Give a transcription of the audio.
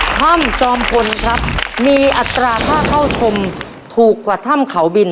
ถ้ำจอมพลครับมีอัตราค่าเข้าชมถูกกว่าถ้ำเขาบิน